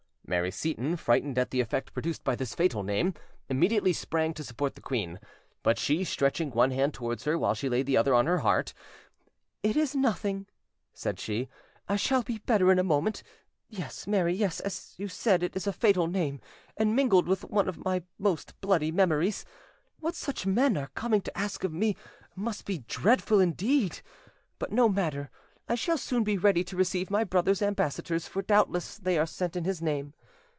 Mary Seyton, frightened at the effect produced by this fatal name, immediately sprang to support the queen; but she, stretching one hand towards her, while she laid the other on her heart— "It is nothing," said she; "I shall be better in a moment. Yes, Mary, yes, as you said, it is a fatal name and mingled with one of my most bloody memories. What such men are coming to ask of me must be dreadful indeed. But no matter, I shall soon be ready to receive my brother's ambassadors, for doubtless they are sent in his name.